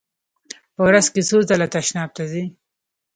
په ورځ کې څو ځله تشناب ته ځئ؟